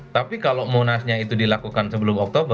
tapi kalau munasnya itu dilakukan sebelum oktober